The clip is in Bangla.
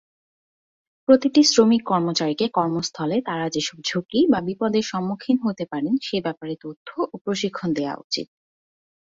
প্রতিটি শ্রমিক-কর্মচারীকে কর্মস্থলে তারা যেসব ঝুঁকি বা বিপদের সম্মুখীন হতে পারেন, সে ব্যাপারে তথ্য ও প্রশিক্ষণ দেওয়া উচিত।